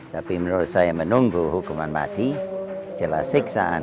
tapi menurut saya menunggu hukuman mati jelas siksaan